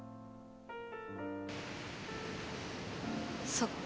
そっか。